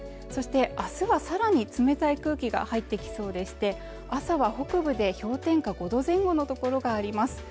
そして明日は更に冷たい空気が入ってきそうでして朝は北部で氷点下５度前後の所があります